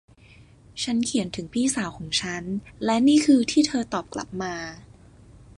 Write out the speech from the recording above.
ฉันเขียนถึงพี่สาวของฉัน และนี่คือที่เธอตอบกลับมา